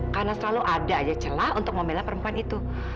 karena selalu ada aja celah untuk memelan perempuan itu